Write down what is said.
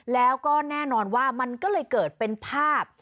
แล้วก็แน่นอนว่ามันก็เลยเกิดเป็นภาพ